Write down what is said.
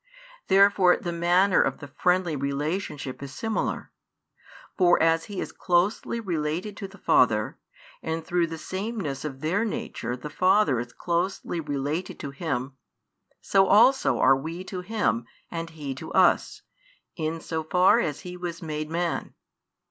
Therefore the manner of the friendly relationship is similar. For as He is closely related to the Father, and through the sameness of their Nature the Father is closely related to Him; so also are we to Him and He to us, in so far as He was made Man.